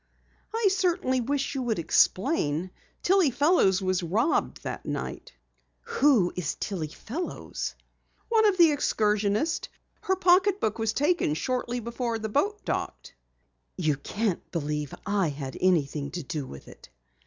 "I certainly wish you would explain. Tillie Fellows was robbed that night." "Who is Tillie Fellows?" "One of the excursionists. Her pocketbook was taken shortly before the boat docked." "You can't believe I had anything to do with it!"